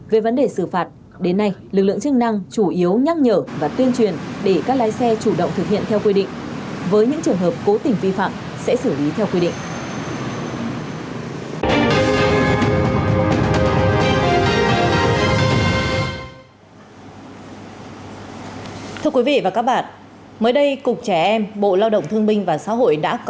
về vấn đề xử phạt đến nay lực lượng chức năng chủ yếu nhắc nhở và tuyên truyền để các lái xe chủ động thực hiện theo quy định